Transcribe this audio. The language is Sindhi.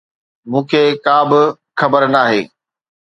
مون کي ڪا به خبر ناهي.